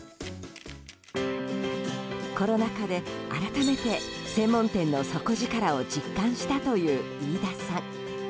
コロナ禍で改めて専門店の底力を実感したという飯田さん。